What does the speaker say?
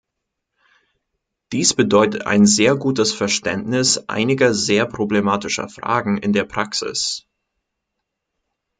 Dies bedeutet ein sehr gutes Verständnis einiger sehr problematischer Fragen in der Praxis.